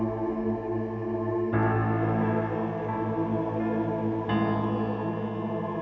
inilah rejoh apakah saat mau masuk kota